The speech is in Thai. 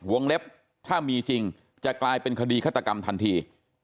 เล็บถ้ามีจริงจะกลายเป็นคดีฆาตกรรมทันที